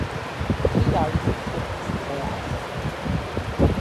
Hi oedd enillydd y gystadleuaeth.